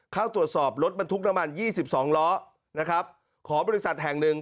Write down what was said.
เข้าตรวจสอบรถบรรทุกน้ำมัน๒๒ล้อนะครับของบริษัทแห่งหนึ่ง